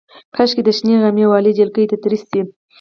کاشکې د شنه غمي واله جلکۍ تدریس شي.